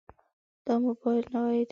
دا موبایل نوی دی.